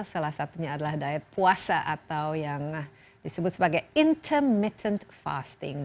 salah satunya adalah diet puasa atau yang disebut sebagai intermittent fasting